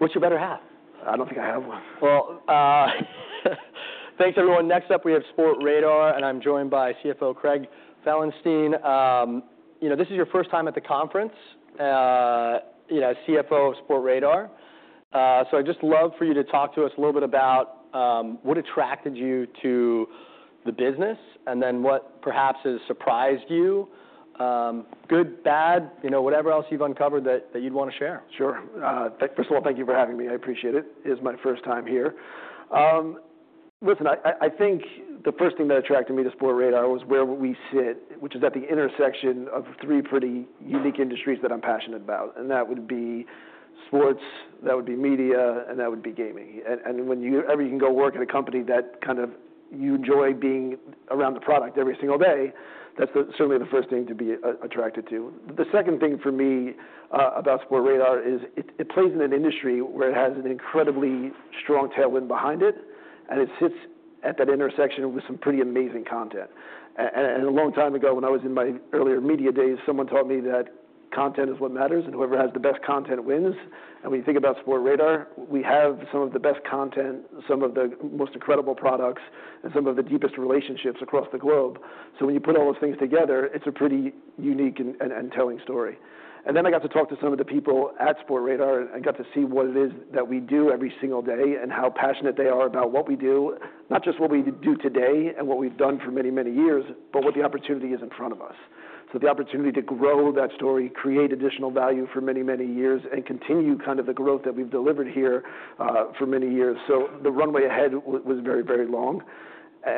What's your better half? I don't think I have one. Well, thanks, everyone. Next up, we have Sportradar, and I'm joined by CFO, Craig Felenstein. This is your first time at the conference, CFO of Sportradar. So I'd just love for you to talk to us a little bit about what attracted you to the business, and then what perhaps has surprised you, bad, whatever else you've uncovered that you'd want to share. Sure. First of all, thank you for having me. I appreciate it. It is my first time here. Listen, I think the first thing that attracted me to Sportradar was where we sit, which is at the intersection of three pretty unique industries that I'm passionate about. And that would be sports, that would be media, and that would be gaming. And whenever you can go work at a company that kind of you enjoy being around the product every single day, that's certainly the first thing to be attracted to. The second thing for me about Sportradar is it plays in an industry where it has an incredibly strong tailwind behind it, and it sits at that intersection with some pretty amazing content. A long time ago, when I was in my earlier media days, someone taught me that content is what matters, and whoever has the best content wins. When you think about Sportradar, we have some of the best content, some of the most incredible products, and some of the deepest relationships across the globe. When you put all those things together, it's a pretty unique and telling story. Then I got to talk to some of the people at Sportradar and got to see what it is that we do every single day and how passionate they are about what we do, not just what we do today and what we've done for many, many years, but what the opportunity is in front of us. So, The opportunity to grow that story, create additional value for many, many years, and continue kind of the growth that we've delivered here for many years. The runway ahead was very, very long.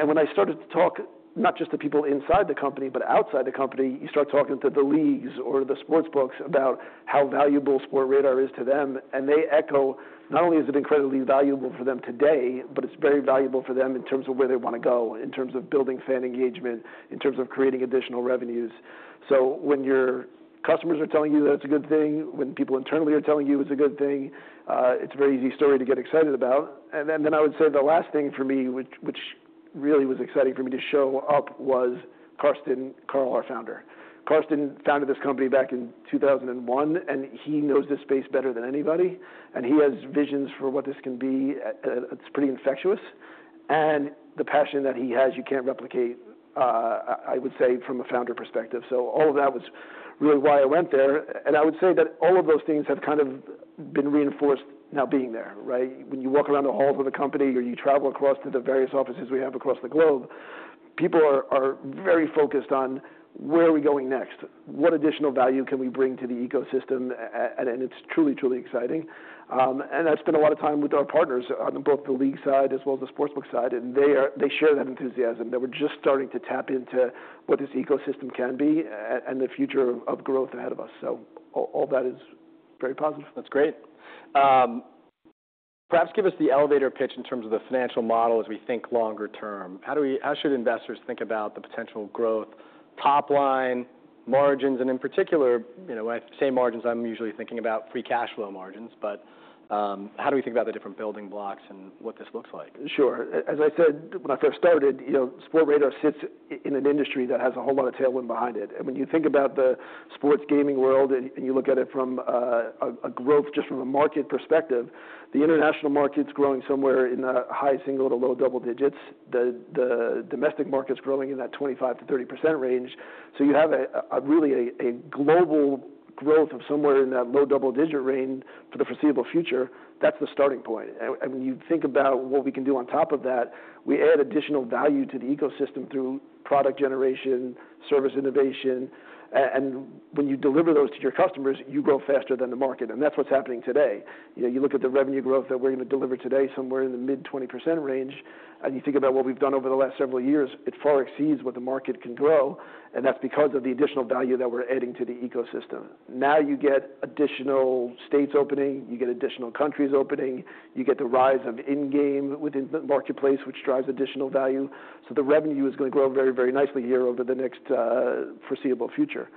When I started to talk not just to people inside the company, but outside the company, you start talking to the leagues or the sportsbooks about how valuable Sportradar is to them. They echo not only is it incredibly valuable for them today, but it's very valuable for them in terms of where they want to go, in terms of building fan engagement, in terms of creating additional revenues. When your customers are telling you that it's a good thing, when people internally are telling you it's a good thing, it's a very easy story to get excited about. And then I would say the last thing for me, which really was exciting for me to show up, was Carsten Koerl, our founder. Carsten founded this company back in 2001, and he knows this space better than anybody. And he has visions for what this can be. It's pretty infectious. And the passion that he has, you can't replicate, I would say, from a founder perspective. So all of that was really why I went there. And I would say that all of those things have kind of been reinforced now being there. When you walk around the halls of the company, or you travel across to the various offices we have across the globe, people are very focused on where are we going next, what additional value can we bring to the ecosystem. And it's truly, truly exciting. And I spent a lot of time with our partners on both the league side as well as the sportsbook side, and they share that enthusiasm. They were just starting to tap into what this ecosystem can be and the future of growth ahead of us. So all that is very positive. That's great. Perhaps give us the elevator pitch in terms of the financial model as we think longer term. How should investors think about the potential growth, top line, margins? And in particular, when I say margins, I'm usually thinking about free cash flow margins. But how do we think about the different building blocks and what this looks like? Sure. As I said when I first started, Sportradar sits in an industry that has a whole lot of tailwind behind it. And when you think about the sports gaming world, and you look at it from a growth just from a market perspective, the international market's growing somewhere in the high-single to low-double digits. The domestic market's growing in that 25%-30% range. So you have really a global growth of somewhere in that low-double-digit range for the foreseeable future. That's the starting point. And when you think about what we can do on top of that, we add additional value to the ecosystem through product generation, service innovation. And when you deliver those to your customers, you grow faster than the market. And that's what's happening today. You look at the revenue growth that we're going to deliver today, somewhere in the mid-20% range, and you think about what we've done over the last several years. It far exceeds what the market can grow, and that's because of the additional value that we're adding to the ecosystem. Now, you get additional states opening, you get additional countries opening, you get the rise of in-game within the marketplace, which drives additional value, so the revenue is going to grow very, very nicely here over the next foreseeable future,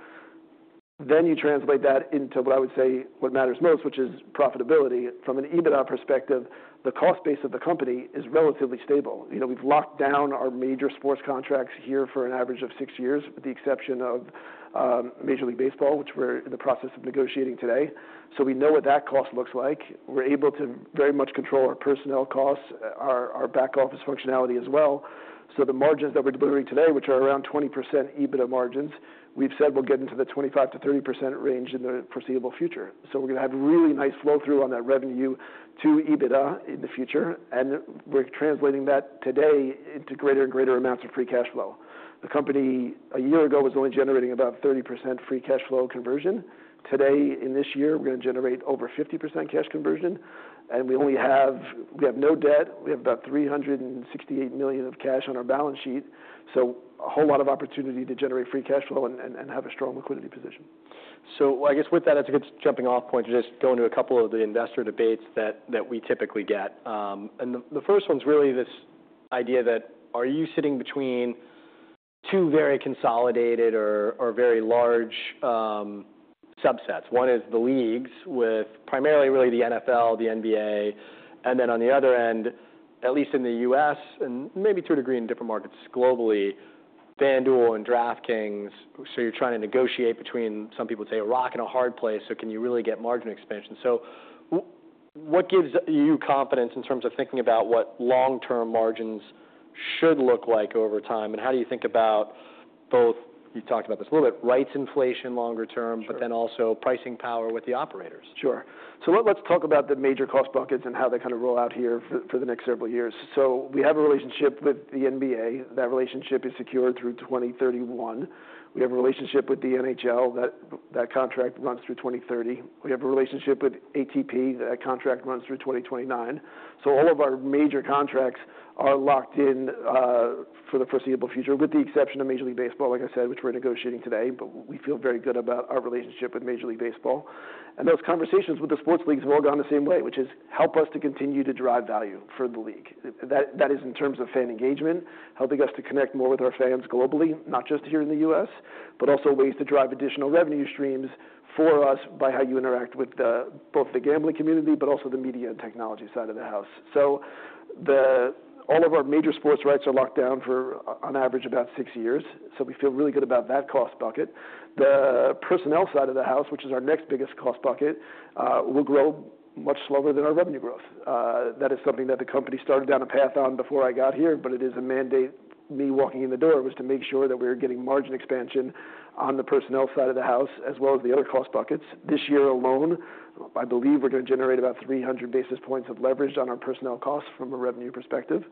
then you translate that into what I would say what matters most, which is profitability. From an EBITDA perspective, the cost base of the company is relatively stable. We've locked down our major sports contracts here for an average of six years, with the exception of Major League Baseball, which we're in the process of negotiating today. So we know what that cost looks like. We're able to very much control our personnel costs, our back office functionality as well. So the margins that we're delivering today, which are around 20% EBITDA margins, we've said we'll get into the 25%-30% range in the foreseeable future. So we're going to have really nice flow-through on that revenue to EBITDA in the future. And we're translating that today into greater and greater amounts of free cash flow. The company a year ago was only generating about 30% free cash flow conversion. Today, in this year, we're going to generate over 50% cash conversion. And we have no debt. We have about $368 million of cash on our balance sheet. So a whole lot of opportunity to generate free cash flow and have a strong liquidity position. So I guess with that, that's a good jumping-off point to just go into a couple of the investor debates that we typically get. And the first one's really this idea that are you sitting between two very consolidated or very large subsets? One is the leagues with primarily really the NFL, the NBA. And then on the other end, at least in the U.S., and maybe to a degree in different markets globally, FanDuel and DraftKings. So you're trying to negotiate between, some people say, a rock and a hard place. So can you really get margin expansion? So what gives you confidence in terms of thinking about what long-term margins should look like over time? And how do you think about both, you talked about this a little bit, rights inflation longer term, but then also pricing power with the operators? Sure. So let's talk about the major cost buckets and how they kind of roll out here for the next several years. So we have a relationship with the NBA. That relationship is secured through 2031. We have a relationship with the NHL. That contract runs through 2030. We have a relationship with the ATP. That contract runs through 2029. So all of our major contracts are locked in for the foreseeable future, with the exception of Major League Baseball, like I said, which we're negotiating today. But we feel very good about our relationship with Major League Baseball. And those conversations with the sports leagues have all gone the same way, which is help us to continue to drive value for the league. That is in terms of fan engagement, helping us to connect more with our fans globally, not just here in the U.S., but also ways to drive additional revenue streams for us by how you interact with both the gambling community, but also the media and technology side of the house. So all of our major sports rights are locked down for, on average, about six years. So we feel really good about that cost bucket. The personnel side of the house, which is our next biggest cost bucket, will grow much slower than our revenue growth. That is something that the company started down a path on before I got here. But it is a mandate. Me walking in the door was to make sure that we were getting margin expansion on the personnel side of the house, as well as the other cost buckets. This year alone, I believe we're going to generate about 300 basis points of leverage on our personnel costs from a revenue perspective,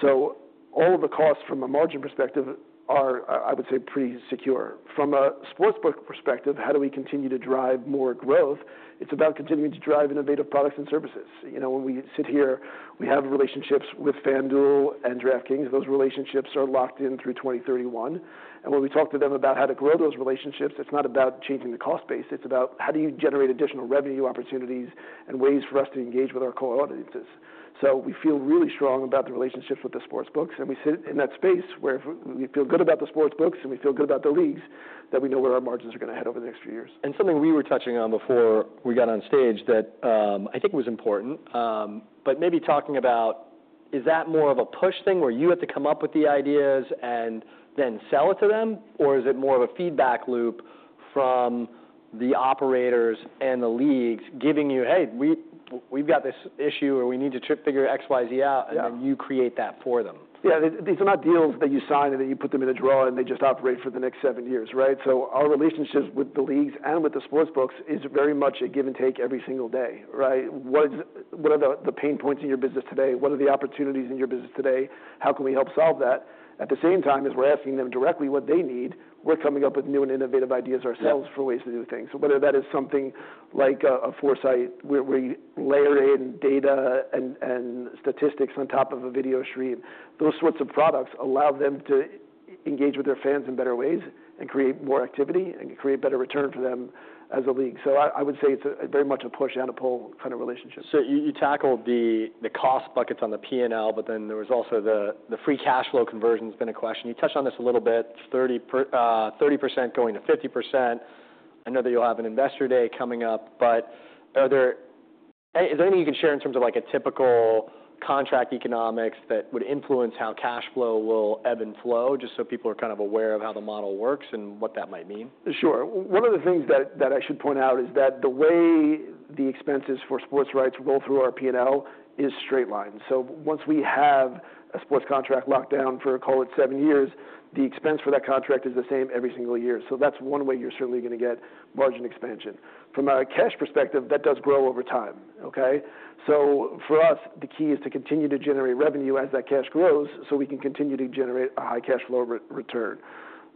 so all the costs from a margin perspective are, I would say, pretty secure. From a sportsbook perspective, how do we continue to drive more growth? It's about continuing to drive innovative products and services. When we sit here, we have relationships with FanDuel and DraftKings. Those relationships are locked in through 2031, and when we talk to them about how to grow those relationships, it's not about changing the cost base. It's about how do you generate additional revenue opportunities and ways for us to engage with our core audiences, so we feel really strong about the relationships with the sportsbooks. We sit in that space where we feel good about the sportsbooks and we feel good about the leagues, that we know where our margins are going to head over the next few years. Something we were touching on before we got on stage that I think was important, but maybe talking about, is that more of a push thing where you have to come up with the ideas and then sell it to them? Or is it more of a feedback loop from the operators and the leagues giving you, "Hey, we've got this issue or we need to figure X, Y, Z out," and then you create that for them? Yeah. These are not deals that you sign and then you put them in a drawer and they just operate for the next seven years. So our relationships with the leagues and with the sportsbooks is very much a give and take every single day. What are the pain points in your business today? What are the opportunities in your business today? How can we help solve that? At the same time as we're asking them directly what they need, we're coming up with new and innovative ideas ourselves for ways to do things. So whether that is something like a 4Sight where you layer in data and statistics on top of a video stream, those sorts of products allow them to engage with their fans in better ways and create more activity and create better return for them as a league. I would say it's very much a push and a pull kind of relationship. So you tackled the cost buckets on the P&L, but then there was also the free cash flow conversion has been a question. You touched on this a little bit, 30% going to 50%. I know that you'll have an investor day coming up. But is there anything you can share in terms of a typical contract economics that would influence how cash flow will ebb and flow, just so people are kind of aware of how the model works and what that might mean? Sure. One of the things that I should point out is that the way the expenses for sports rights roll through our P&L is straight-line. So once we have a sports contract locked down for, call it, seven years, the expense for that contract is the same every single year. So that's one way you're certainly going to get margin expansion. From a cash perspective, that does grow over time. So for us, the key is to continue to generate revenue as that cash grows so we can continue to generate a high-cash flow return.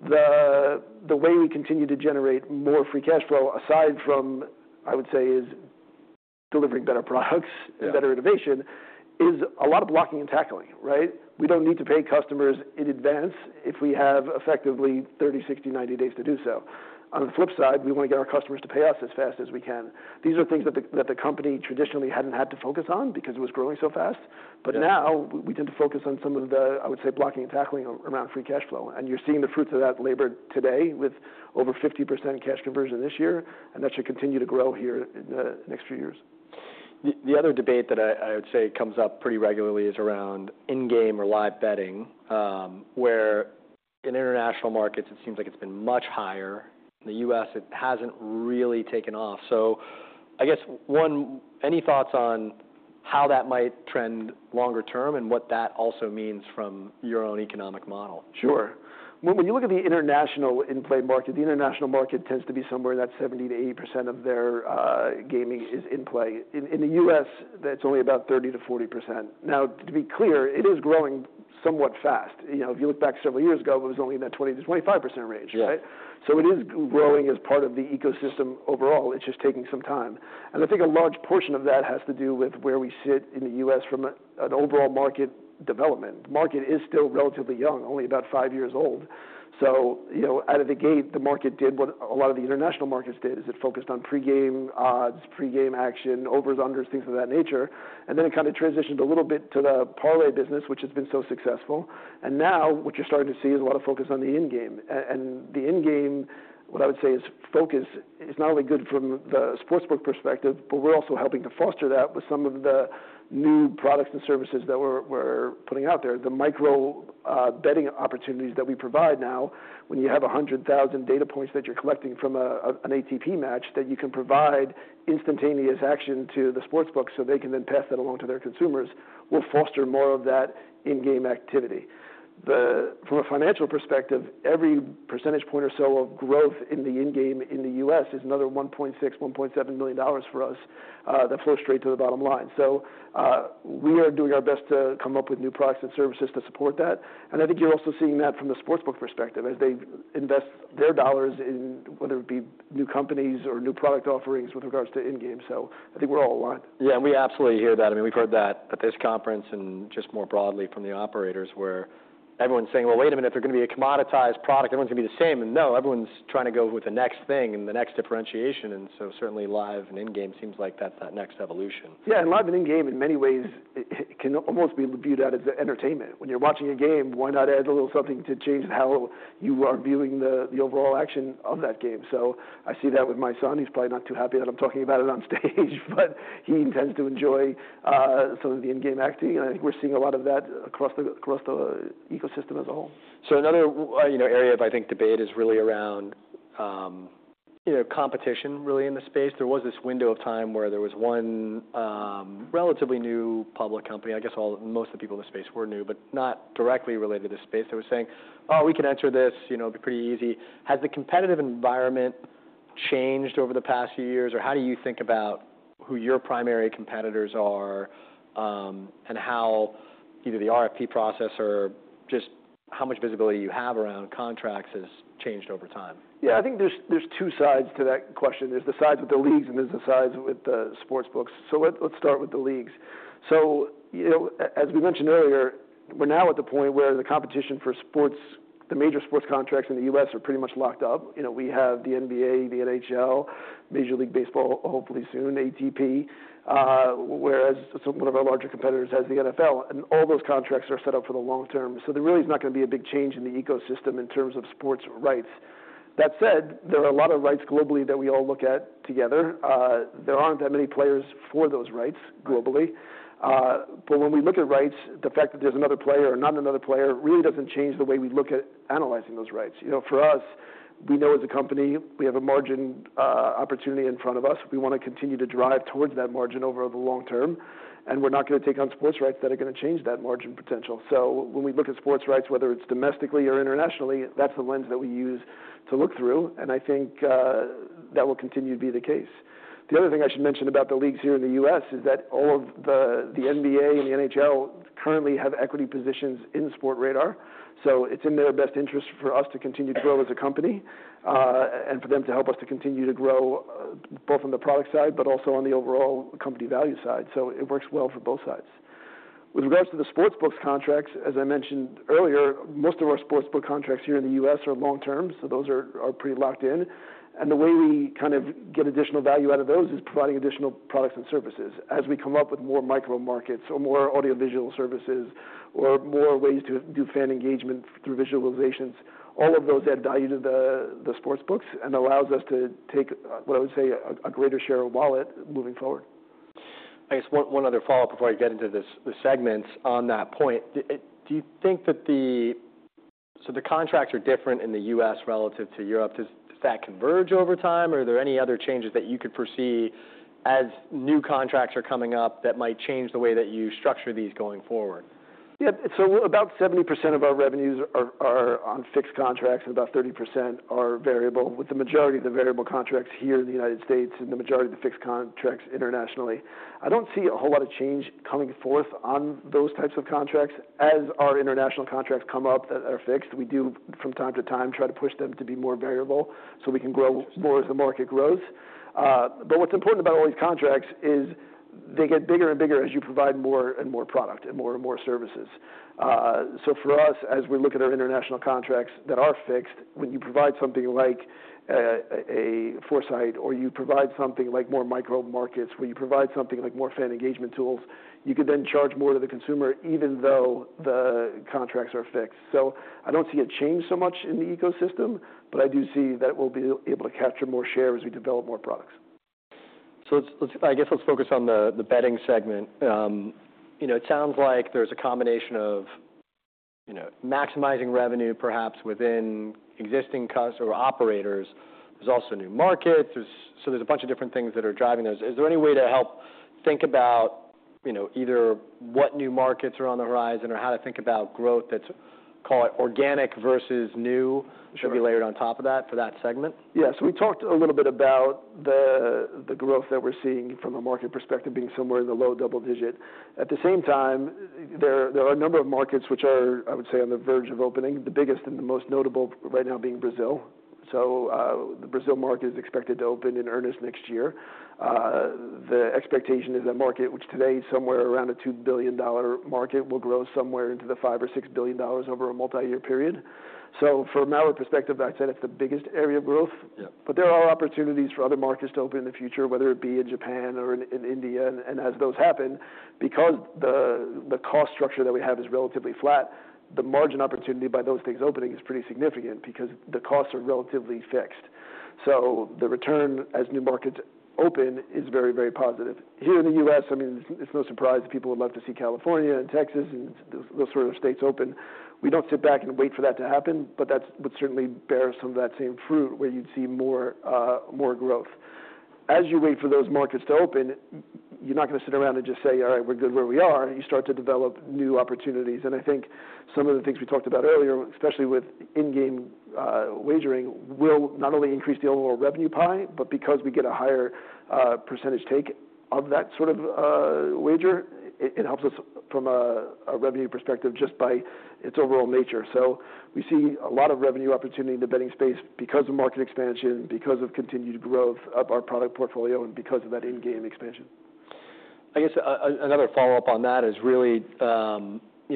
The way we continue to generate more free cash flow, aside from, I would say, delivering better products and better innovation, is a lot of blocking and tackling. We don't need to pay customers in advance if we have effectively 30, 60, 90 days to do so. On the flip side, we want to get our customers to pay us as fast as we can. These are things that the company traditionally hadn't had to focus on because it was growing so fast, but now we tend to focus on some of the, I would say, blocking and tackling around free cash flow, and you're seeing the fruits of that labor today with over 50% cash conversion this year, and that should continue to grow here in the next few years. The other debate that I would say comes up pretty regularly is around in-game or live betting, where in international markets, it seems like it's been much higher. In the U.S., it hasn't really taken off. So I guess any thoughts on how that might trend longer term and what that also means from your own economic model? Sure. When you look at the international in-play market, the international market tends to be somewhere in that 70%-80% of their gaming is in-play. In the U.S., it's only about 30%-40%. Now, to be clear, it is growing somewhat fast. If you look back several years ago, it was only in that 20%-25% range. So it is growing as part of the ecosystem overall. It's just taking some time. And I think a large portion of that has to do with where we sit in the U.S. from an overall market development. The market is still relatively young, only about five years old. So out of the gate, the market did what a lot of the international markets did, is it focused on pre-game odds, pre-game action, overs, unders, things of that nature. Then it kind of transitioned a little bit to the parlay business, which has been so successful. Now, what you're starting to see is a lot of focus on the in-game. The in-game, what I would say is focus, it's not only good from the sportsbook perspective, but we're also helping to foster that with some of the new products and services that we're putting out there. The micro betting opportunities that we provide now, when you have 100,000 data points that you're collecting from an ATP match, that you can provide instantaneous action to the sportsbook so they can then pass that along to their consumers, will foster more of that in-game activity. From a financial perspective, every percentage point or so of growth in the in-game in the U.S. is another $1.6-$1.7 million for us that flows straight to the bottom line. So we are doing our best to come up with new products and services to support that. And I think you're also seeing that from the sportsbook perspective, as they invest their dollars in whether it be new companies or new product offerings with regards to in-game. So I think we're all aligned. Yeah. And we absolutely hear that. I mean, we've heard that at this conference and just more broadly from the operators, where everyone's saying, "Well, wait a minute, if they're going to be a commoditized product, everyone's going to be the same." And no, everyone's trying to go with the next thing and the next differentiation. And so certainly live and in-game seems like that's that next evolution. Yeah, and live and in-game, in many ways, can almost be viewed as entertainment. When you're watching a game, why not add a little something to change how you are viewing the overall action of that game, so I see that with my son. He's probably not too happy that I'm talking about it on stage, but he intends to enjoy some of the in-game betting, and I think we're seeing a lot of that across the ecosystem as a whole. So another area of, I think, debate is really around competition, really, in the space. There was this window of time where there was one relatively new public company. I guess most of the people in the space were new, but not directly related to the space. They were saying, "Oh, we can enter this. It'll be pretty easy." Has the competitive environment changed over the past few years? Or how do you think about who your primary competitors are and how either the RFP process or just how much visibility you have around contracts has changed over time? Yeah. I think there's two sides to that question. There's the sides with the leagues and there's the sides with the sportsbooks, so let's start with the leagues, so as we mentioned earlier, we're now at the point where the competition for sports, the major sports contracts in the U.S. are pretty much locked up. We have the NBA, the NHL, Major League Baseball, hopefully soon, ATP, whereas one of our larger competitors has the NFL, and all those contracts are set up for the long term, so there really is not going to be a big change in the ecosystem in terms of sports rights. That said, there are a lot of rights globally that we all look at together. There aren't that many players for those rights globally. But when we look at rights, the fact that there's another player or not another player really doesn't change the way we look at analyzing those rights. For us, we know as a company, we have a margin opportunity in front of us. We want to continue to drive towards that margin over the long term. And we're not going to take on sports rights that are going to change that margin potential. So when we look at sports rights, whether it's domestically or internationally, that's the lens that we use to look through. And I think that will continue to be the case. The other thing I should mention about the leagues here in the U.S. is that all of the NBA and the NHL currently have equity positions in Sportradar. So it's in their best interest for us to continue to grow as a company and for them to help us to continue to grow both on the product side, but also on the overall company value side. So it works well for both sides. With regards to the sportsbooks' contracts, as I mentioned earlier, most of our sportsbook contracts here in the U.S. are long-term. So those are pretty locked in. And the way we kind of get additional value out of those is providing additional products and services. As we come up with more micro markets or more audio-visual services or more ways to do fan engagement through visualizations, all of those add value to the sportsbooks and allows us to take, what I would say, a greater share of wallet moving forward. I guess one other follow-up before I get into the segments on that point. Do you think that the contracts are different in the U.S. relative to Europe? Does that converge over time? Or are there any other changes that you could foresee as new contracts are coming up that might change the way that you structure these going forward? Yeah, so about 70% of our revenues are on fixed contracts and about 30% are variable, with the majority of the variable contracts here in the United States and the majority of the fixed contracts internationally. I don't see a whole lot of change coming forth on those types of contracts. As our international contracts come up that are fixed, we do, from time to time, try to push them to be more variable so we can grow more as the market grows. But what's important about all these contracts is they get bigger and bigger as you provide more and more product and more and more services. So for us, as we look at our international contracts that are fixed, when you provide something like a 4Sight or you provide something like more micro markets, where you provide something like more fan engagement tools, you could then charge more to the consumer, even though the contracts are fixed. So I don't see a change so much in the ecosystem, but I do see that we'll be able to capture more share as we develop more products. So I guess let's focus on the betting segment. It sounds like there's a combination of maximizing revenue, perhaps, within existing customers or operators. There's also new markets. So there's a bunch of different things that are driving those. Is there any way to help think about either what new markets are on the horizon or how to think about growth that's, call it, organic versus new, should be layered on top of that for that segment? Yeah. So we talked a little bit about the growth that we're seeing from a market perspective being somewhere in the low-double digit. At the same time, there are a number of markets which are, I would say, on the verge of opening. The biggest and the most notable right now being Brazil. So the Brazil market is expected to open in earnest next year. The expectation is that market, which today is somewhere around a $2-billion market, will grow somewhere into the $5 or $6 billion over a multi-year period. So from our perspective, I'd say that's the biggest area of growth. But there are opportunities for other markets to open in the future, whether it be in Japan or in India. And as those happen, because the cost structure that we have is relatively flat, the margin opportunity by those things opening is pretty significant because the costs are relatively fixed. So the return as new markets open is very, very positive. Here in the U.S., I mean, it's no surprise that people would love to see California and Texas and those sort of states open. We don't sit back and wait for that to happen, but that would certainly bear some of that same fruit where you'd see more growth. As you wait for those markets to open, you're not going to sit around and just say, "All right, we're good where we are." You start to develop new opportunities. And I think some of the things we talked about earlier, especially with in-game wagering, will not only increase the overall revenue pie, but because we get a higher percentage take of that sort of wager, it helps us from a revenue perspective just by its overall nature. So we see a lot of revenue opportunity in the betting space because of market expansion, because of continued growth of our product portfolio, and because of that in-game expansion. I guess another follow-up on that is, really,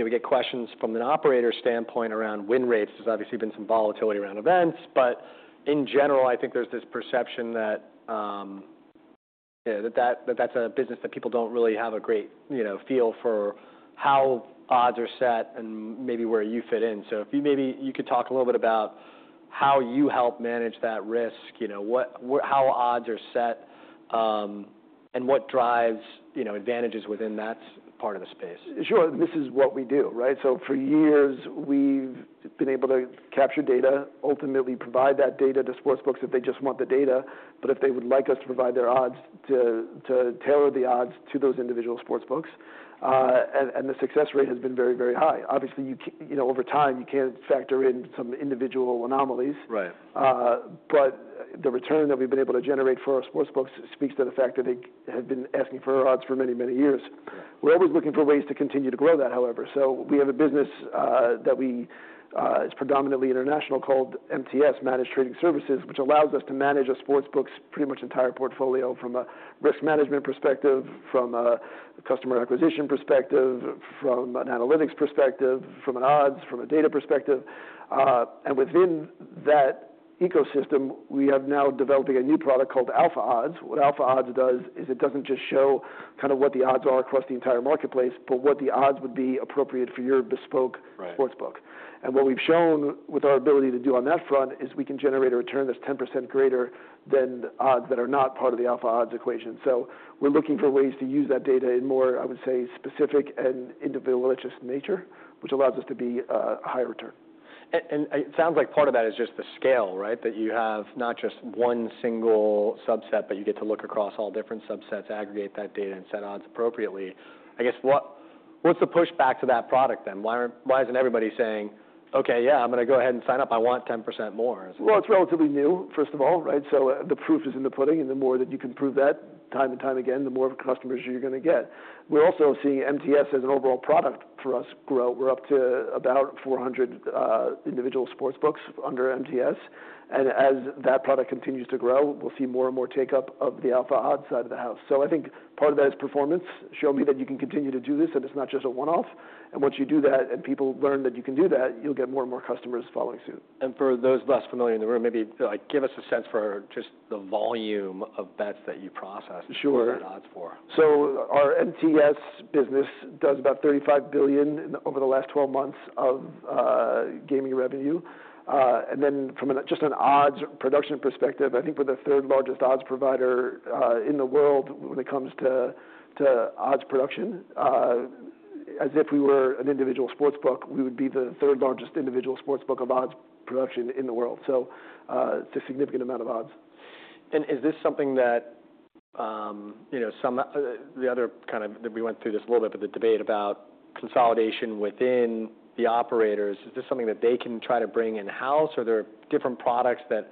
we get questions from an operator standpoint around win rates. There's obviously been some volatility around events. But in general, I think there's this perception that that's a business that people don't really have a great feel for how odds are set and maybe where you fit in. So maybe you could talk a little bit about how you help manage that risk, how odds are set, and what drives advantages within that part of the space. Sure. This is what we do. So for years, we've been able to capture data, ultimately provide that data to sportsbooks if they just want the data, but if they would like us to provide their odds, to tailor the odds to those individual sportsbooks. And the success rate has been very, very high. Obviously, over time, you can't factor in some individual anomalies. But the return that we've been able to generate for our sportsbooks speaks to the fact that they have been asking for our odds for many, many years. We're always looking for ways to continue to grow that, however. We have a business that is predominantly international called MTS, Managed Trading Services, which allows us to manage a sportsbook's pretty much entire portfolio from a risk management perspective, from a customer acquisition perspective, from an analytics perspective, from an odds perspective, from a data perspective. Within that ecosystem, we have now developing a new product called Alpha Odds. What Alpha Odds does is it doesn't just show kind of what the odds are across the entire marketplace, but what the odds would be appropriate for your bespoke sportsbook. What we've shown with our ability to do on that front is we can generate a return that's 10% greater than odds that are not part of the Alpha Odds equation. So we're looking for ways to use that data in more, I would say, specific and individualistic nature, which allows us to be a higher return. And it sounds like part of that is just the scale, right, that you have not just one single subset, but you get to look across all different subsets, aggregate that data, and set odds appropriately. I guess what's the pushback to that product then? Why isn't everybody saying, "Okay, yeah, I'm going to go ahead and sign up. I want 10% more"? Well, it's relatively new, first of all. So the proof is in the pudding. And the more that you can prove that time and time again, the more customers you're going to get. We're also seeing MTS as an overall product for us grow. We're up to about 400 individual sportsbooks under MTS. And as that product continues to grow, we'll see more and more take-up of the Alpha Odds side of the house. So I think part of that is performance. Show me that you can continue to do this and it's not just a one-off. And once you do that and people learn that you can do that, you'll get more and more customers following suit. For those less familiar in the room, maybe give us a sense for just the volume of bets that you process and what you've got odds for. Sure. So our MTS business does about $35 billion over the last 12 months of gaming revenue. And then from just an odds production perspective, I think we're the third largest odds provider in the world when it comes to odds production. As if we were an individual sportsbook, we would be the third largest individual sportsbook of odds production in the world. So it's a significant amount of odds. Is this something that some of the other kind of we went through this a little bit, but the debate about consolidation within the operators, is this something that they can try to bring in-house? Are there different products that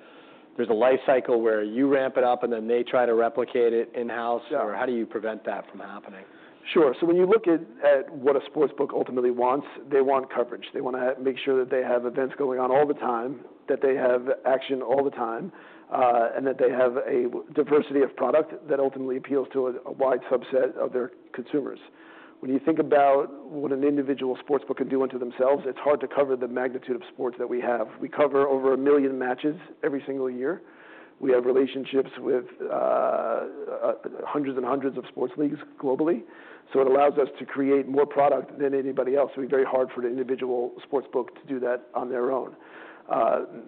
there's a life cycle where you ramp it up and then they try to replicate it in-house? Or how do you prevent that from happening? Sure. So when you look at what a sportsbook ultimately wants, they want coverage. They want to make sure that they have events going on all the time, that they have action all the time, and that they have a diversity of product that ultimately appeals to a wide subset of their consumers. When you think about what an individual sportsbook can do unto themselves, it's hard to cover the magnitude of sports that we have. We cover over a million matches every single year. We have relationships with hundreds and hundreds of sports leagues globally. So it allows us to create more product than anybody else. It would be very hard for an individual sportsbook to do that on their own.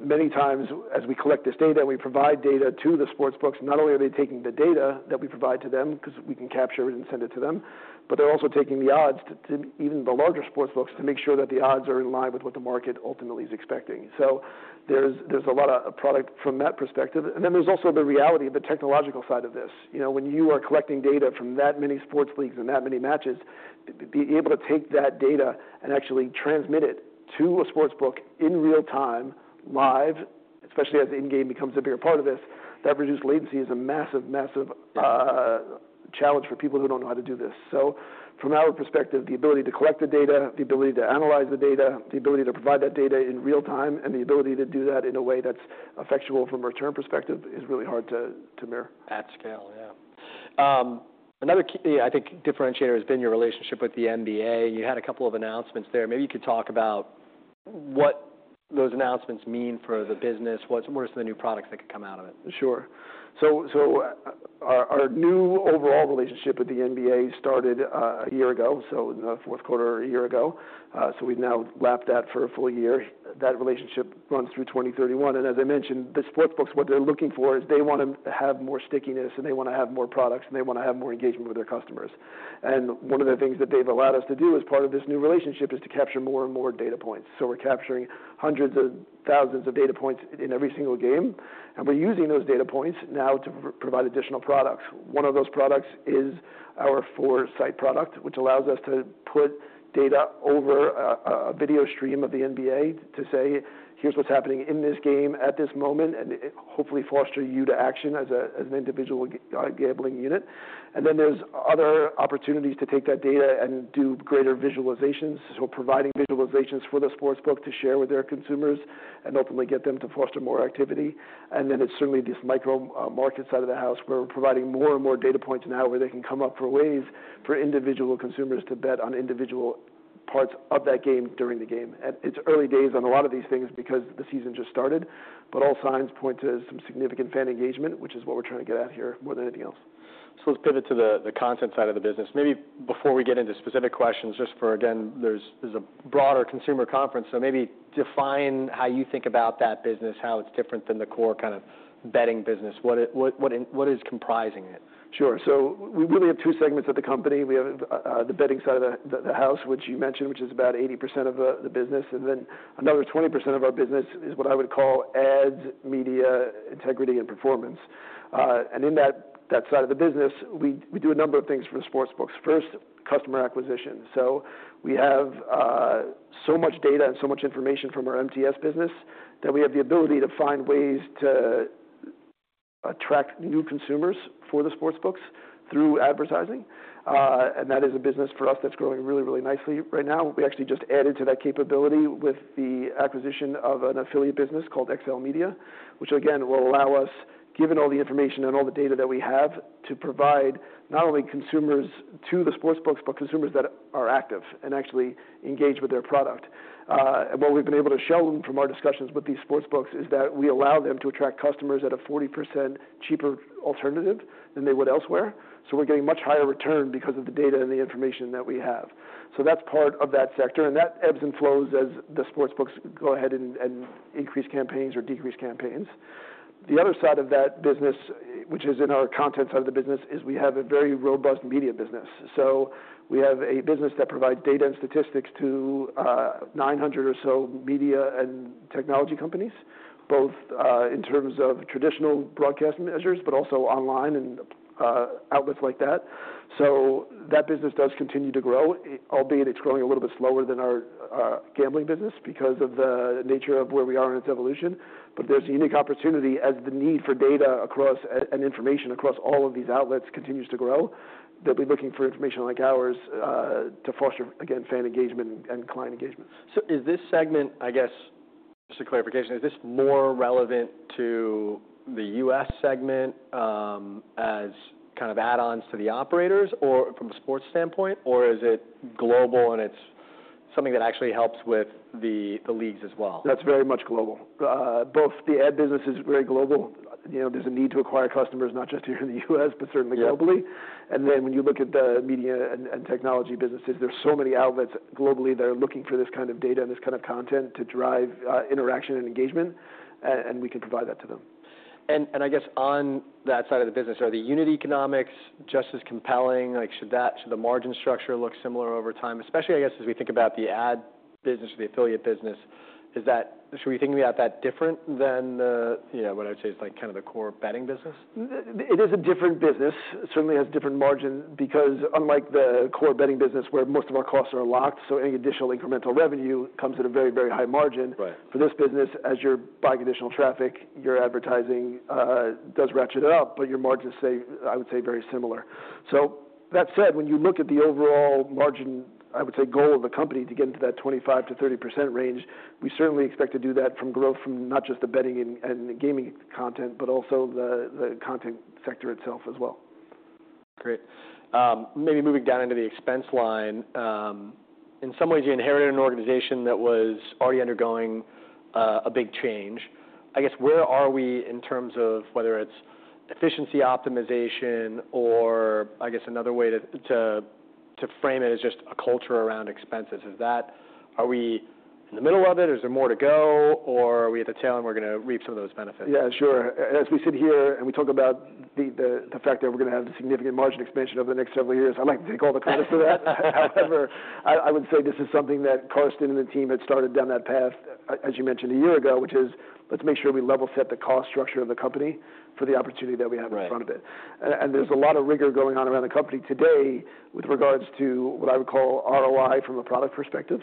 Many times, as we collect this data, we provide data to the sportsbooks. Not only are they taking the data that we provide to them because we can capture it and send it to them, but they're also taking the odds too, even the larger sportsbooks to make sure that the odds are in line with what the market ultimately is expecting. So there's a lot of product from that perspective. And then there's also the reality of the technological side of this. When you are collecting data from that many sports leagues and that many matches, being able to take that data and actually transmit it to a sportsbook in real time, live, especially as in-game becomes a bigger part of this, that reduced latency is a massive, massive challenge for people who don't know how to do this. From our perspective, the ability to collect the data, the ability to analyze the data, the ability to provide that data in real time, and the ability to do that in a way that's effectual from a return perspective is really hard to mirror. At scale, yeah. Another key, I think, differentiator has been your relationship with the NBA. You had a couple of announcements there. Maybe you could talk about what those announcements mean for the business. What are some of the new products that could come out of it? Sure. So our new overall relationship with the NBA started a year ago, so in the fourth quarter a year ago. So we've now lapped that for a full year. That relationship runs through 2031. And as I mentioned, the sportsbooks, what they're looking for is they want to have more stickiness and they want to have more products and they want to have more engagement with their customers. And one of the things that they've allowed us to do as part of this new relationship is to capture more and more data points. So we're capturing hundreds of thousands of data points in every single game. And we're using those data points now to provide additional products. One of those products is our 4Sight product, which allows us to put data over a video stream of the NBA to say, "Here's what's happening in this game at this moment," and hopefully foster you to action as an individual gambling unit. And then there's other opportunities to take that data and do greater visualizations. So, providing visualizations for the sportsbook to share with their consumers and ultimately get them to foster more activity. And then it's certainly this micro markets side of the house where we're providing more and more data points now where they can come up for ways for individual consumers to bet on individual parts of that game during the game. It's early days on a lot of these things because the season just started, but all signs point to some significant fan engagement, which is what we're trying to get out here more than anything else. So let's pivot to the content side of the business. Maybe before we get into specific questions, just for, again, there's a broader consumer conference. So maybe define how you think about that business, how it's different than the core kind of betting business. What is comprising it? Sure. So we really have two segments of the company. We have the betting side of the house, which you mentioned, which is about 80% of the business. And then another 20% of our business is what I would call ads, media, integrity, and performance. And in that side of the business, we do a number of things for the sportsbooks. First, customer acquisition. So we have so much data and so much information from our MTS business that we have the ability to find ways to attract new consumers for the sportsbooks through advertising. And that is a business for us that's growing really, really nicely right now. We actually just added to that capability with the acquisition of an affiliate business called XLMedia, which again will allow us, given all the information and all the data that we have, to provide not only consumers to the sportsbooks, but consumers that are active and actually engage with their product, and what we've been able to show them from our discussions with these sportsbooks is that we allow them to attract customers at a 40% cheaper alternative than they would elsewhere, so we're getting much higher return because of the data and the information that we have, so that's part of that sector, and that ebbs and flows as the sportsbooks go ahead and increase campaigns or decrease campaigns. The other side of that business, which is in our content side of the business, is we have a very robust media business. So we have a business that provides data and statistics to 900 or so media and technology companies, both in terms of traditional broadcast measures, but also online and outlets like that. So that business does continue to grow, albeit it's growing a little bit slower than our gambling business because of the nature of where we are in its evolution. But there's a unique opportunity as the need for data and information across all of these outlets continues to grow that we're looking for information like ours to foster, again, fan engagement and client engagement. So is this segment, I guess, just a clarification, is this more relevant to the U.S. segment as kind of add-ons to the operators from a sports standpoint, or is it global and it's something that actually helps with the leagues as well? That's very much global. Both the ad business is very global. There's a need to acquire customers not just here in the U.S., but certainly globally. And then when you look at the media and technology businesses, there's so many outlets globally that are looking for this kind of data and this kind of content to drive interaction and engagement, and we can provide that to them. I guess on that side of the business, are the unit economics just as compelling? Should the margin structure look similar over time? Especially, I guess, as we think about the ad business or the affiliate business, should we think about that different than what I would say is kind of the core betting business? It is a different business. It certainly has different margins because unlike the core betting business where most of our costs are locked, so any additional incremental revenue comes at a very, very high margin. For this business, as you're buying additional traffic, your advertising does ratchet it up, but your margins stay, I would say, very similar. So that said, when you look at the overall margin, I would say, goal of the company to get into that 25%-30% range, we certainly expect to do that from growth from not just the betting and gaming content, but also the content sector itself as well. Great. Maybe moving down into the expense line. In some ways, you inherited an organization that was already undergoing a big change. I guess where are we in terms of whether it's efficiency optimization or, I guess, another way to frame it is just a culture around expenses? Are we in the middle of it? Is there more to go? Or are we at the tail, and we're going to reap some of those benefits? Yeah, sure. As we sit here and we talk about the fact that we're going to have a significant margin expansion over the next several years, I'd like to take all the credit for that. However, I would say this is something that Carsten and the team had started down that path, as you mentioned, a year ago, which is let's make sure we level set the cost structure of the company for the opportunity that we have in front of it, and there's a lot of rigor going on around the company today with regards to what I would call ROI from a product perspective,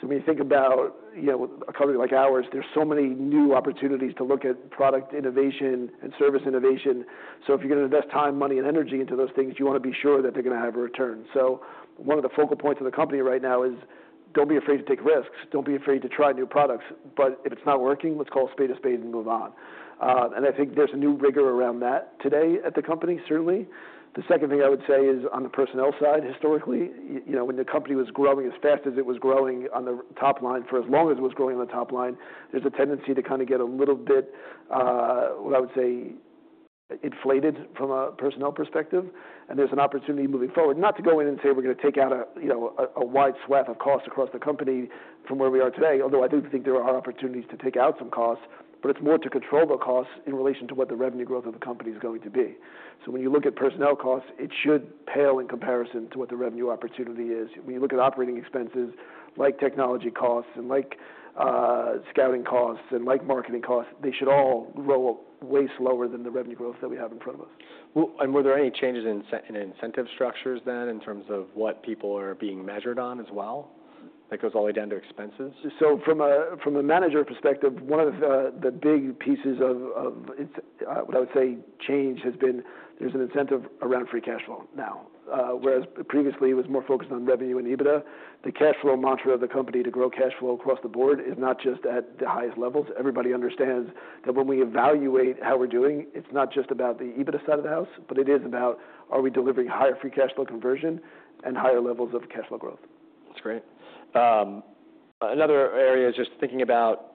so when you think about a company like ours, there's so many new opportunities to look at product innovation and service innovation. So if you're going to invest time, money, and energy into those things, you want to be sure that they're going to have a return. So one of the focal points of the company right now is don't be afraid to take risks. Don't be afraid to try new products. But if it's not working, let's call a spade a spade and move on. And I think there's a new rigor around that today at the company, certainly. The second thing I would say is on the personnel side, historically, when the company was growing as fast as it was growing on the top line for as long as it was growing on the top line, there's a tendency to kind of get a little bit, what I would say, inflated from a personnel perspective. There's an opportunity moving forward, not to go in and say we're going to take out a wide swath of cost across the company from where we are today, although I do think there are opportunities to take out some costs, but it's more to control the costs in relation to what the revenue growth of the company is going to be, so when you look at personnel costs, it should pale in comparison to what the revenue opportunity is. When you look at operating expenses like technology costs, and like scouting costs, and like marketing costs, they should all grow way slower than the revenue growth that we have in front of us. And were there any changes in incentive structures then in terms of what people are being measured on as well? That goes all the way down to expenses. From a management perspective, one of the big pieces of what I would say change has been there's an incentive around free cash flow now. Whereas previously it was more focused on revenue and EBITDA, the cash flow mantra of the company to grow cash flow across the board is not just at the highest levels. Everybody understands that when we evaluate how we're doing, it's not just about the EBITDA side of the house, but it is about are we delivering higher free cash flow conversion and higher levels of cash flow growth. That's great. Another area is just thinking about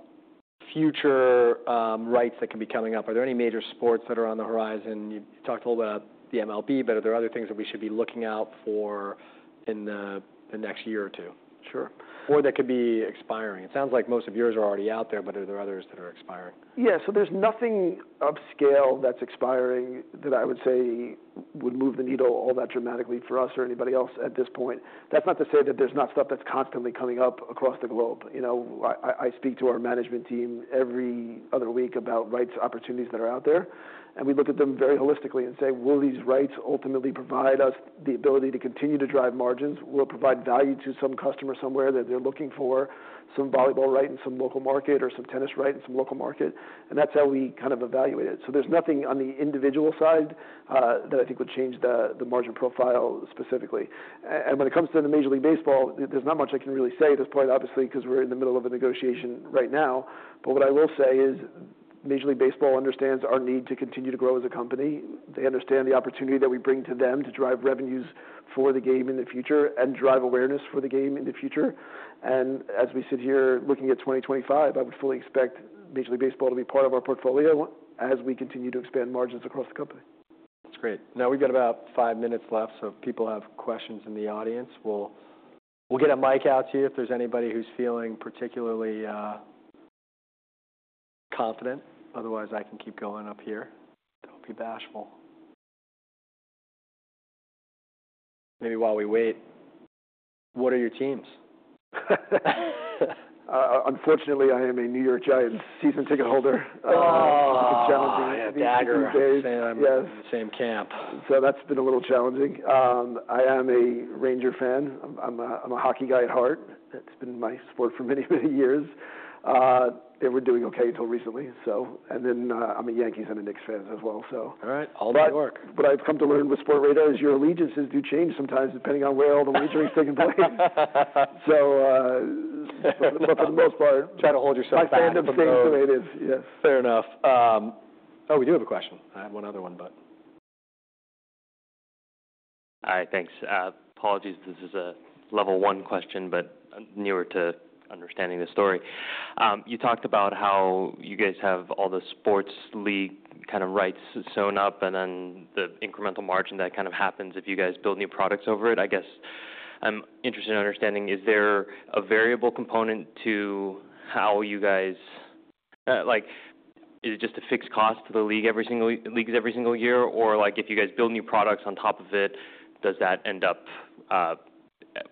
future rights that can be coming up. Are there any major sports that are on the horizon? You talked a little bit about the MLB, but are there other things that we should be looking out for in the next year or two? Sure. Or that could be expiring? It sounds like most of yours are already out there, but are there others that are expiring? Yeah. So there's nothing of scale that's expiring that I would say would move the needle all that dramatically for us or anybody else at this point. That's not to say that there's not stuff that's constantly coming up across the globe. I speak to our management team every other week about rights opportunities that are out there. And we look at them very holistically and say, will these rights ultimately provide us the ability to continue to drive margins? Will it provide value to some customer somewhere that they're looking for, some volleyball right in some local market or some tennis right in some local market? And that's how we kind of evaluate it. So there's nothing on the individual side that I think would change the margin profile specifically. And when it comes to the Major League Baseball, there's not much I can really say at this point, obviously, because we're in the middle of a negotiation right now. But what I will say is Major League Baseball understands our need to continue to grow as a company. They understand the opportunity that we bring to them to drive revenues for the game in the future and drive awareness for the game in the future. And as we sit here looking at 2025, I would fully expect Major League Baseball to be part of our portfolio as we continue to expand margins across the company. That's great. Now we've got about five minutes left. So if people have questions in the audience, we'll get a mic out to you if there's anybody who's feeling particularly confident. Otherwise, I can keep going up here. Don't be bashful. Maybe while we wait, what are your teams? Unfortunately, I am a New York Giants season ticket holder. It's been challenging. I have a dagger on the same. Yes. Same camp. So that's been a little challenging. I am a Ranger fan. I'm a hockey guy at heart. It's been my sport for many, many years. They were doing okay until recently, so. And then I'm a Yankees and a Knicks fan as well, so. All right. All the good work. But I've come to learn with Sportradar, your allegiances do change sometimes depending on where all the wagering's taking place. But for the most part. Try to hold yourself back. My fandom stays the way it is. Yes. Fair enough. Oh, we do have a question. I have one other one, but. All right. Thanks. Apologies. This is a level one question, but newer to understanding the story. You talked about how you guys have all the sports league kind of rights sewn up and then the incremental margin that kind of happens if you guys build new products over it. I guess I'm interested in understanding, is there a variable component to how you guys [do it]? Is it just a fixed cost to the league every single year? Or if you guys build new products on top of it, does that end up,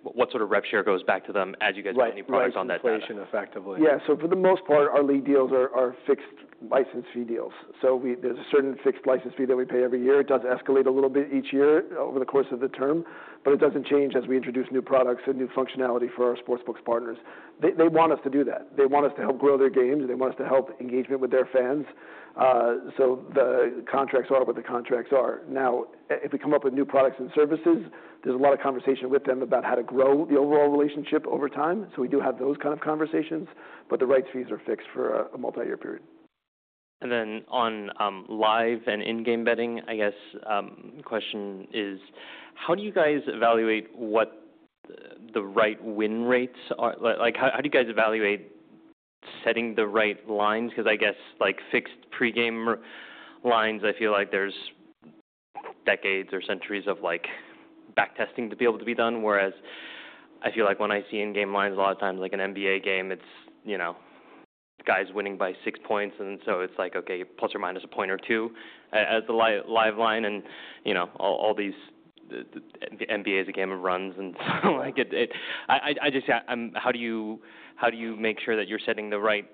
what sort of rev share goes back to them as you guys build new products on that side? Right. Inflation effectively. Yeah. So for the most part, our league deals are fixed license fee deals. So there's a certain fixed license fee that we pay every year. It does escalate a little bit each year over the course of the term, but it doesn't change as we introduce new products and new functionality for our sportsbooks partners. They want us to do that. They want us to help grow their games. They want us to help engagement with their fans. So the contracts are what the contracts are. Now, if we come up with new products and services, there's a lot of conversation with them about how to grow the overall relationship over time. So we do have those kind of conversations, but the rights fees are fixed for a multi-year period. And then on live and in-game betting, I guess the question is, how do you guys evaluate what the right win rates are? How do you guys evaluate setting the right lines? Because I guess fixed pre-game lines, I feel like there's decades or centuries of backtesting to be able to be done. Whereas I feel like when I see in-game lines, a lot of times like an NBA game, it's guys winning by six points. And so it's like, okay, plus or minus a point or two as the live line. And all these, the NBA is a game of runs. And I just say, how do you make sure that you're setting the right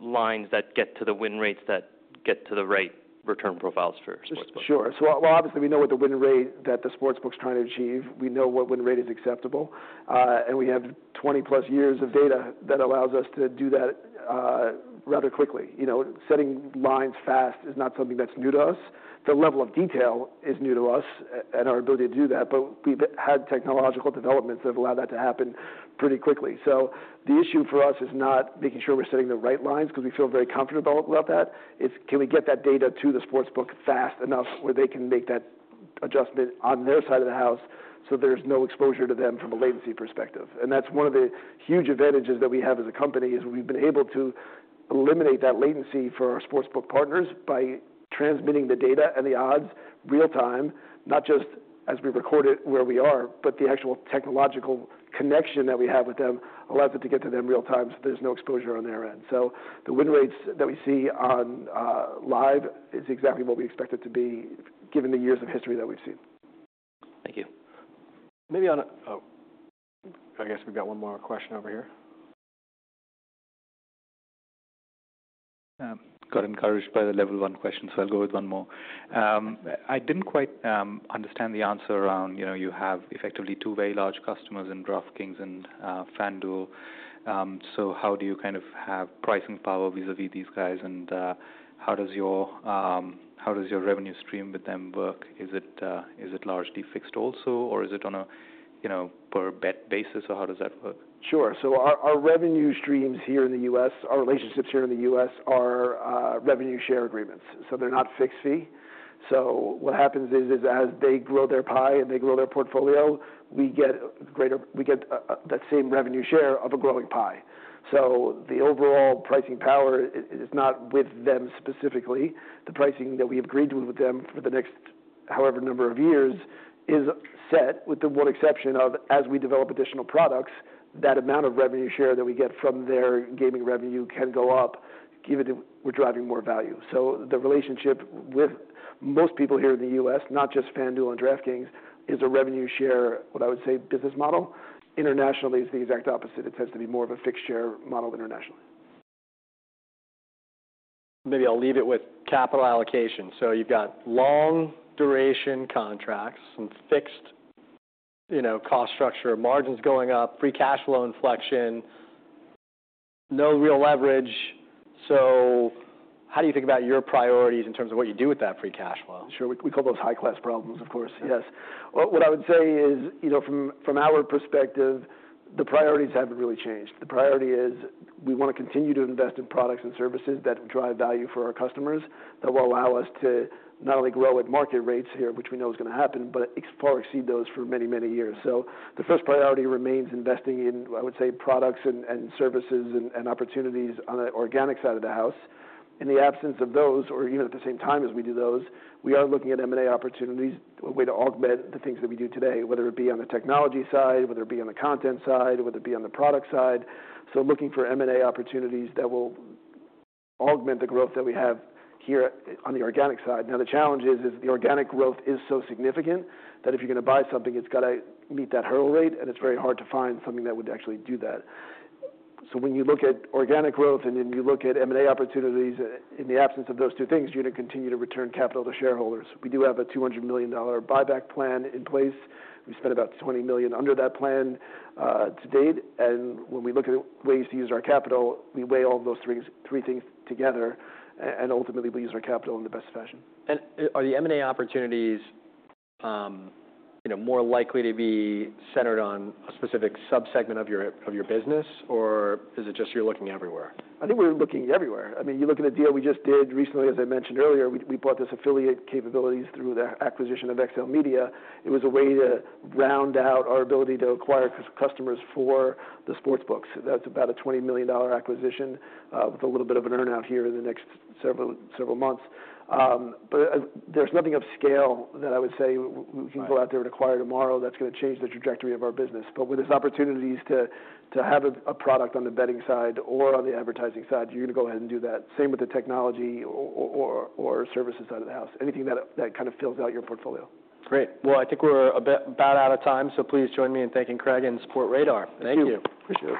lines that get to the win rates that get to the right return profiles for sportsbooks? Sure. So obviously, we know what the win rate that the sportsbook's trying to achieve. We know what win rate is acceptable. And we have 20+ years of data that allows us to do that rather quickly. Setting lines fast is not something that's new to us. The level of detail is new to us and our ability to do that. But we've had technological developments that have allowed that to happen pretty quickly. So the issue for us is not making sure we're setting the right lines because we feel very comfortable about that. It's, can we get that data to the sportsbook fast enough where they can make that adjustment on their side of the house so there's no exposure to them from a latency perspective. And that's one of the huge advantages that we have as a company. We've been able to eliminate that latency for our sportsbook partners by transmitting the data and the odds real time, not just as we record it where we are, but the actual technological connection that we have with them allows it to get to them real time, so there's no exposure on their end. So the win rates that we see on live is exactly what we expect it to be given the years of history that we've seen. Thank you. Maybe on a. I guess we've got one more question over here. Got encouraged by the level-one question, so I'll go with one more. I didn't quite understand the answer around, you have effectively two very large customers in DraftKings and FanDuel. So how do you kind of have pricing power vis-à-vis these guys? And how does your revenue stream with them work? Is it largely fixed also, or is it on a per-bet basis, or how does that work? Sure. So our revenue streams here in the U.S., our relationships here in the U.S. are revenue share agreements. So they're not fixed fee. So what happens is as they grow their pie and they grow their portfolio, we get that same revenue share of a growing pie. So the overall pricing power is not with them specifically. The pricing that we have agreed with them for the next however number of years is set with the one exception of as we develop additional products, that amount of revenue share that we get from their gaming revenue can go up given we're driving more value. So the relationship with most people here in the U.S., not just FanDuel and DraftKings, is a revenue share, what I would say, a business model. Internationally, it's the exact opposite. It tends to be more of a fixed share model internationally. Maybe I'll leave it with capital allocation. So you've got long duration contracts, some fixed cost structure, margins going up, free cash flow inflection, no real leverage. So how do you think about your priorities in terms of what you do with that free cash flow? Sure. We call those high-class problems, of course. Yes. What I would say is from our perspective, the priorities haven't really changed. The priority is we want to continue to invest in products and services that drive value for our customers that will allow us to not only grow at market rates here, which we know is going to happen, but far exceed those for many, many years. So the first priority remains investing in, I would say, products and services and opportunities on the organic side of the house. In the absence of those, or even at the same time as we do those, we are looking at M&A opportunities, a way to augment the things that we do today, whether it be on the technology side, whether it be on the content side, whether it be on the product side. So looking for M&A opportunities that will augment the growth that we have here on the organic side. Now, the challenge is the organic growth is so significant that if you're going to buy something, it's got to meet that hurdle rate, and it's very hard to find something that would actually do that. So when you look at organic growth and then you look at M&A opportunities, in the absence of those two things, you're going to continue to return capital to shareholders. We do have a $200-million buyback plan in place. We spent about $20 million under that plan to date. And when we look at ways to use our capital, we weigh all those three things together, and ultimately, we use our capital in the best fashion. Are the M&A opportunities more likely to be centered on a specific subsegment of your business, or is it just you're looking everywhere? I think we're looking everywhere. I mean, you look at the deal we just did recently, as I mentioned earlier, we bought this affiliate capabilities through the acquisition of XLMedia. It was a way to round out our ability to acquire customers for the sportsbooks. That's about a $20 million acquisition with a little bit of an earnout here in the next several months. But there's nothing of scale that I would say we can go out there and acquire tomorrow that's going to change the trajectory of our business. But with these opportunities to have a product on the betting side or on the advertising side, you're going to go ahead and do that. Same with the technology or services side of the house. Anything that kind of fills out your portfolio. Great. Well, I think we're about out of time, so please join me in thanking Craig and Sportradar. Thank you. Thank you.